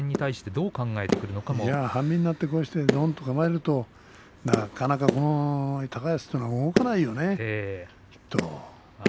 半身になってどんと構えるとなかなか高安というのは動かないよねきっと。